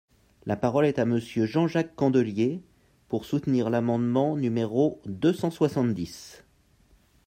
La parole est à Monsieur Jean-Jacques Candelier, pour soutenir l’amendement numéro deux cent soixante-dix.